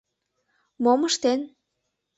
Мом ыштен?